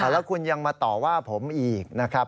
แล้วคุณยังมาต่อว่าผมอีกนะครับ